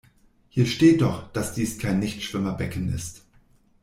Hier steht doch, dass dies kein Nichtschwimmerbecken ist.